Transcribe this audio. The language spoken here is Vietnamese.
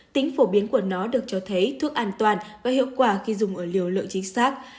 tính phổ biến của nó được cho thấy thuốc an toàn và hiệu quả khi dùng ở liều lượng chính xác